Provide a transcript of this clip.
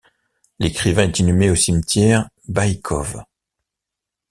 L'écrivain est inhumé au Cimetière Baïkove.